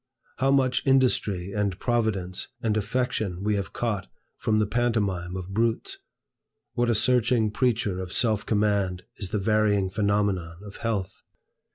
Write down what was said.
how much industry and providence and affection we have caught from the pantomime of brutes? What a searching preacher of self command is the varying phenomenon of Health!